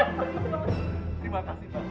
terima kasih pak